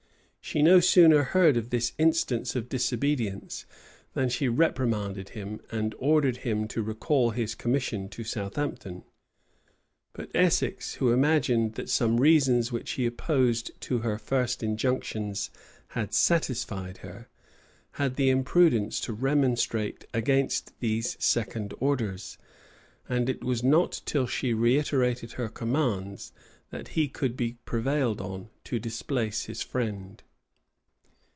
She no sooner heard of this instance of disobedience, than she reprimanded him, and ordered him to recall his commission to Southampton. But Essex, who had imagined that some reasons which he opposed to her first injunctions had satisfied her, had the imprudence to remonstrate against these second orders;[*] and it was not till she reiterated her commands that he could be prevailed on to displace his friend.